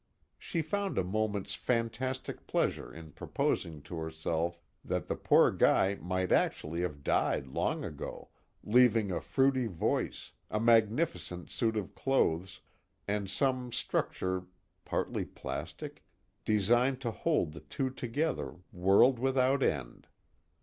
She found a moment's fantastic pleasure in proposing to herself that the poor guy might actually have died long ago, leaving a fruity voice, a magnificent suit of clothes, and some structure (partly plastic?) designed to hold the two together world without end.